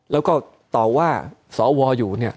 แล้วก็ต่อว่าสวอยู่เนี่ย